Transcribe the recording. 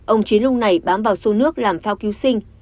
ông chiến lúc này bám vào sô nước làm phao cứu sinh